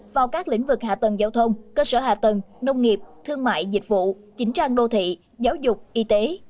vào các lĩnh vực hạ tầng giao thông cơ sở hạ tầng nông nghiệp thương mại dịch vụ chính trang đô thị giáo dục y tế